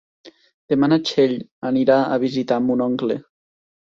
Demà na Txell anirà a visitar mon oncle.